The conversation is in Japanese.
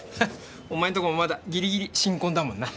お前んとこまだギリギリ新婚だもんな。